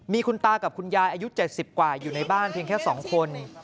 มีคุณตากับคุณยายอายุ๗๐กว่าอยู่ในบ้านเพียงแค่๒คน